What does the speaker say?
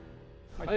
はい。